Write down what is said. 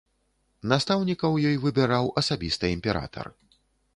Настаўнікаў ёй выбіраў асабіста імператар.